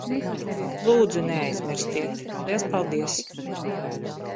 Lūdzu, neaizmirstiet. Liels paldies.